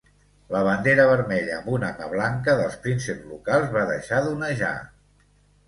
La bandera vermella amb una mà blanca dels prínceps locals va deixar d'onejar.